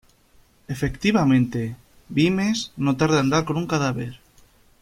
Efectivamente, Vimes no tarda en dar con un cadáver...